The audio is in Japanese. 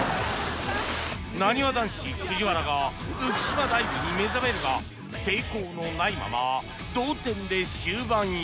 なにわ男子藤原が浮島ダイブに目覚めるが成功のないまま同点で終盤へ